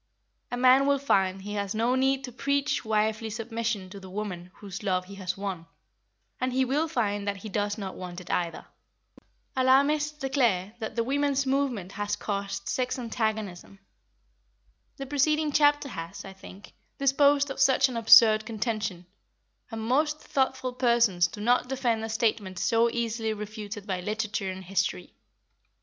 A man will find he has no need to preach wifely submission to the woman whose love he has won, and he will find that he does not want it either. Alarmists declare that the women's movement has caused sex antagonism. The preceding chapter has, I think, disposed of such an absurd contention, and most thoughtful persons do not defend a statement so easily refuted by literature and history.